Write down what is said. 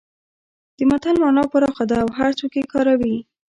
د متل مانا پراخه ده او هرڅوک یې کاروي